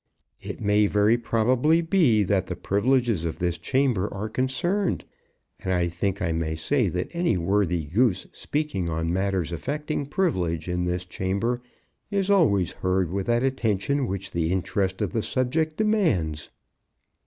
It may very probably be that the privileges of this chamber are concerned; and I think I may say that any worthy Goose speaking on matters affecting privilege in this chamber is always heard with that attention which the interest of the subject demands."